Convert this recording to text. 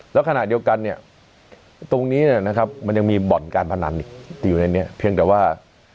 แล้วขณะเดียวกันเนี่ยตรงนี้นะครับมันยังมีบ่อนการพนันอยู่ในนี้เพียงแต่ว่า